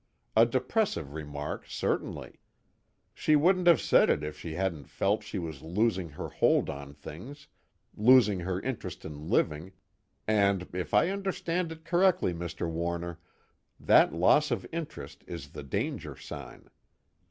A depressive remark, certainly. She wouldn't have said it if she hadn't felt she was losing her hold on things, losing her interest in living and if I understand it correctly, Mr. Warner, that loss of interest is the danger sign.